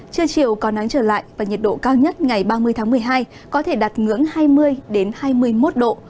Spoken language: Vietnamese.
trưa chiều có nắng trở lại và nhiệt độ cao nhất ngày ba mươi tháng một mươi hai có thể đạt ngưỡng hai mươi hai mươi một độ